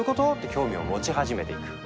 興味を持ち始めていく。